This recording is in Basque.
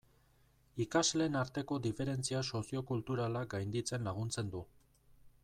Ikasleen arteko diferentzia soziokulturalak gainditzen laguntzen du.